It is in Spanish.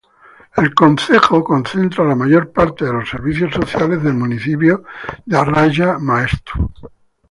El concejo concentra la mayor parte de los servicios sociales del municipio de Arraya-Maestu.